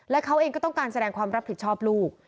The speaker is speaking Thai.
และเขาเองก็ต้องการแสดงความรับผิดชอบลูก